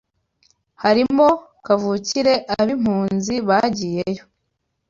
harimo kavukire ab’impunzi bagiyeyo